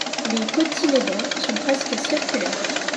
Les cotylédons sont presque circulaires.